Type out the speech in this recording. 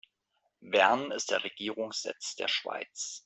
Bern ist der Regierungssitz der Schweiz.